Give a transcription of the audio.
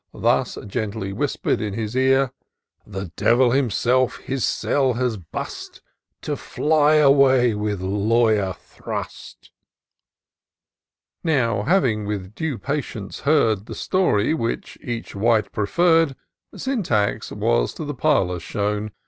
Thus gently whisper'd in his ear :" The Devil himself his cell has burst, To fly away with Lawyer Thrust'^ Now having with due patience heard The story wliich each wight preferred, S3mtax was to the parlour shown.